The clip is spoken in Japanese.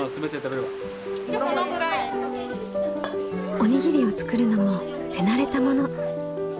おにぎりを作るのも手慣れたもの。